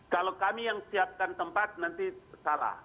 kalau kami yang siapkan tempat nanti salah